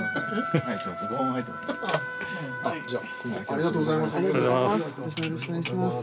ありがとうございます。